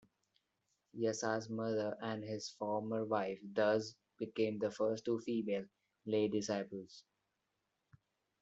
Yasa's mother and his former wife thus became the first two female lay disciples.